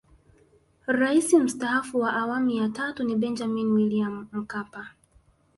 Rais Mstaafu wa Awamu ya Tatu ni Benjamini William Mkapa